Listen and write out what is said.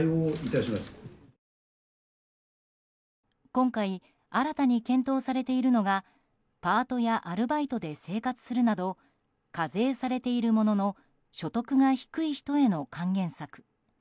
今回、新たに検討されているのがパートやアルバイトで生活するなど課税されているものの所得が低い人への還元策。